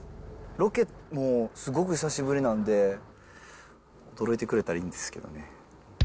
ロケもすごく久しぶりなんで、驚いてくれたらいいんですけどね。